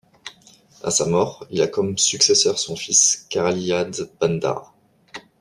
A sa mort il a comme successeur son fils Karaliyadde Bandara.